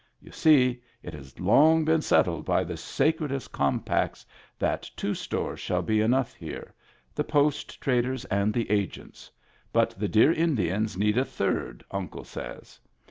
You see, it has been long settled by the sacredest compacts that two stores shall be enough here — the Post trader's and the Agent's — but the dear Indians need a third. Uncle says.